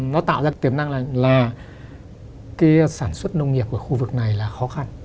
nó tạo ra tiềm năng là sản xuất nông nghiệp của khu vực này là khó khăn